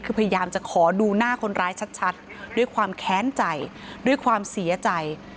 คือพยายามจะขอดูหน้าคนร้ายชัดด้วยความแค้นใจด้วยความเสียใจ